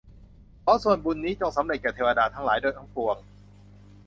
ขอส่วนบุญนี้จงสำเร็จแก่เทวดาทั้งหลายทั้งปวง